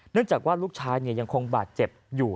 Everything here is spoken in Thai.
จากว่าลูกชายยังคงบาดเจ็บอยู่